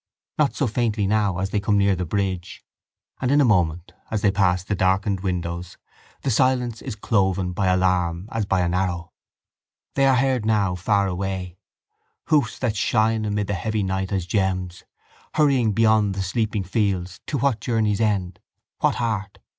Not so faintly now as they come near the bridge; and in a moment, as they pass the darkened windows, the silence is cloven by alarm as by an arrow. They are heard now far away, hoofs that shine amid the heavy night as gems, hurrying beyond the sleeping fields to what journey's end—what heart?